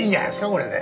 これで。